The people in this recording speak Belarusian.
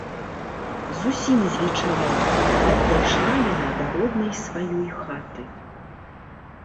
Зусім звечарэла, як дайшла яна да роднай сваёй хаты.